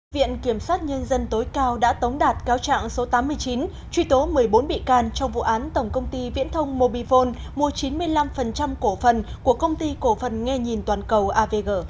viện kiểm sát nhân dân tối cao đã tống đạt cáo trạng số tám mươi chín truy tố một mươi bốn bị can trong vụ án tổng công ty viễn thông mobifone mua chín mươi năm cổ phần của công ty cổ phần nghe nhìn toàn cầu avg